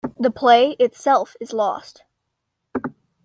The play itself is lost.